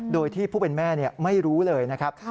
โดยที่ผู้เป็นแม่ไม่รู้เลยนะครับ